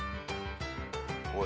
おい。